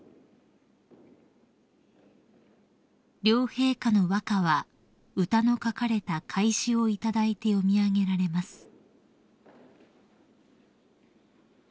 ［両陛下の和歌は歌の書かれた懐紙を頂いて詠み上げられます］